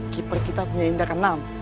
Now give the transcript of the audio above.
keeper kita punya indah ke enam